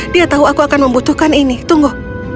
dia tahu aku akan membutuhkan ini tunggu